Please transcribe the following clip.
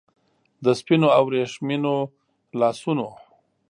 د سپینو او وریښمینو لاسونو